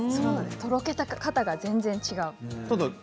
とろけ方が全く違う。